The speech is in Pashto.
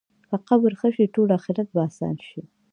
که قبر ښه شي، ټول آخرت به اسان شي.